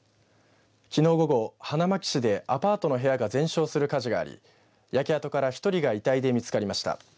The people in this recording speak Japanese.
きのう午後、花巻市でアパートの部屋が全焼する火事があり焼け跡から１人が遺体で見つかりました。